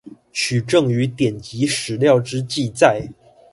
取證於典籍史料之記載